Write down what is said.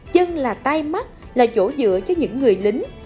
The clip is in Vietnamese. chân là tai mắt là chỗ dựa cho những người lính